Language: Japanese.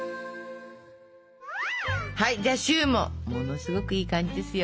はいじゃあシューもものすごくいい感じですよ。